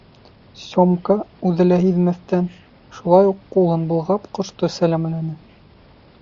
Сёмка, үҙе лә һиҙмәҫтән, шулай уҡ ҡулын болғап ҡошто сәләмләне.